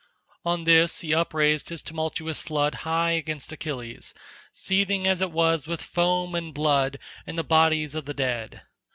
On this he upraised his tumultuous flood high against Achilles, seething as it was with foam and blood and the bodies of the dead.